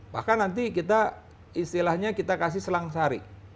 bahkan nanti kita istilahnya kita kasih selang sari